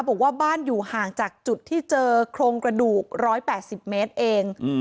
บอกว่าบ้านอยู่ห่างจากจุดที่เจอโครงกระดูก๑๘๐เมตรเอง